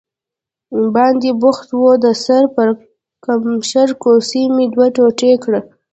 باندې بوخت و، د سر پړکمشر کوسۍ مې دوه ټوټې کړه.